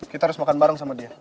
kita harus makan bareng sama dia